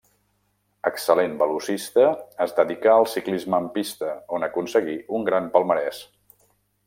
Excel·lent velocista, es dedicà al ciclisme en pista, on aconseguí un gran palmarès.